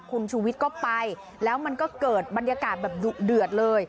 คุณชูวิทย์ก็ไปแล้วมันก็เกิดบรรยากาศแบบดุเดือดเลย